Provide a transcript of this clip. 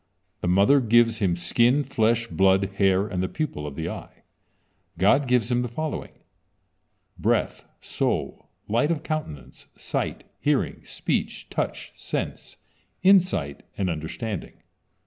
The mother gives him skin, flesh, blood, hair, and the pupil of the eye. God gives him the following: breath, soul, light of countenance, sight, hearing, speech, touch, sense, insight, and understanding.